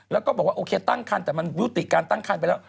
แล้วก็บอกว่าโอเคตั้งคันแต่มันยุติการตั้งคันไปแล้ว